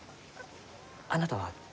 あなたは？